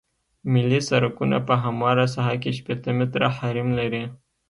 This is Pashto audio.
ملي سرکونه په همواره ساحه کې شپیته متره حریم لري